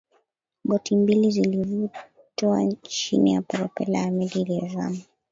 boti mbili zilivutwa chini ya propela ya meli inayozama